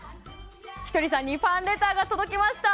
ひとりさんにファンレターが届きました。